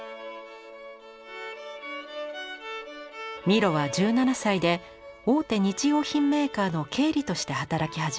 ミロは１７歳で大手日用品メーカーの経理として働き始めます。